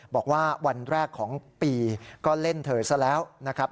บอกว่าวันแรกของปีก็เล่นเธอซะแล้วนะครับ